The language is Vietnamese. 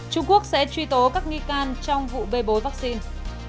trung quốc sẽ truy tố các nghi can trong vụ bê bối vaccine